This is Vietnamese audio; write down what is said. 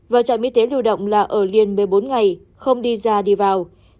và trạm y tế lưu động là ở liền một mươi bốn ngày không đi ra đi vào